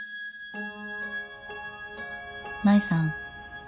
舞さん？